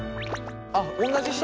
あっ同じ人？